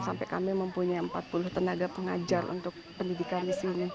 sampai kami mempunyai empat puluh tenaga pengajar untuk pendidikan di sini